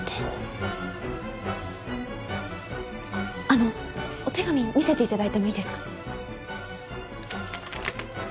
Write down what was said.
あのお手紙見せて頂いてもいいですか？